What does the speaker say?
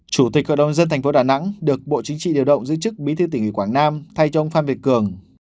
chủ tịch hội đồng dân thành phố đà nẵng được bộ chính trị điều động giữ chức bí thư tỉnh ủy quảng nam thay cho ông phan việt cường